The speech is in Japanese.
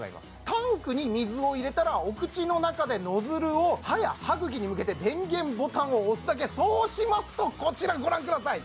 タンクに水を入れたらお口の中でノズルを歯や歯茎に向けて電源ボタンを押すだけそうしますとこちらご覧ください